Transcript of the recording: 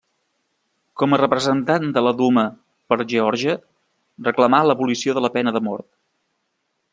Com a representant a la Duma per Geòrgia, reclamà l'abolició de la pena de mort.